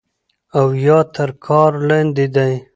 او يا تر كار لاندې دی